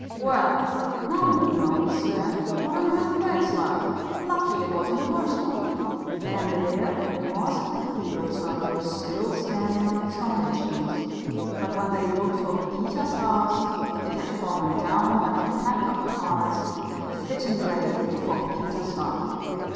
"Well, now you know," he said, "what an earthquake's like. Lucky it wasn't a worse one." And there was the cathedral tower still standing on its foundations, but when they looked for Pepita's house it had fallen down like a pack of cards, a fitting grave for Pepita's father.